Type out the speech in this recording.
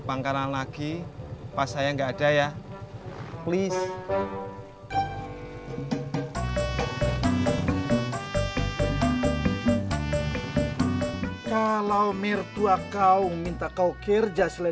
aduato juga classe